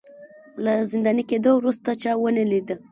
له زنداني کېدو وروسته چا ونه لید